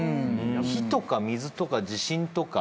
火とか水とか地震とか。